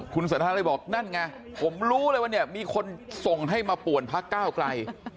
คุณสันทนาเลยบอกนั่นไงผมรู้เลยว่าเนี่ยมีคนส่งให้มาป่วนพักก้าวไกล